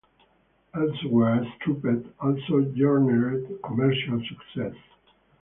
Elsewhere, "Stripped" also garnered commercial success.